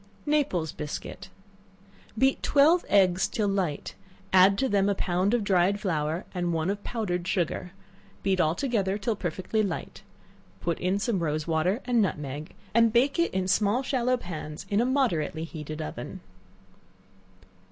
Naples Biscuit. Beat twelve eggs till light; add to them a pound of dried flour and one of powdered sugar; beat all together till perfectly light; put in some rose water and nutmeg, and bike it in small shallow pans in a moderately heated oven.